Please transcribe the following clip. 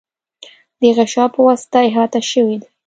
د غشا په واسطه احاطه شوی دی.